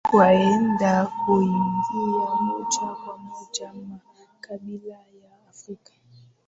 waenda kuingia moja kwa moja makabila ya afrika